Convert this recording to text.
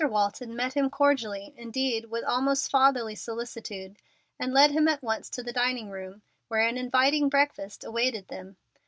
Walton met him cordially indeed with almost fatherly solicitude and led him at once to the dining room, where an inviting breakfast awaited them.